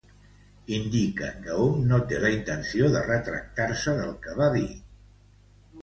Indica que hom no té la intenció de retractar-se del que va dir.